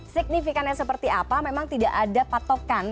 signifikan yang seperti apa memang tidak ada patokan